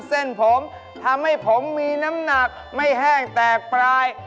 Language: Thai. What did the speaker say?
เส้นผมทำให้ผมมีน้ำหนักไม่แห้งแตกปลาย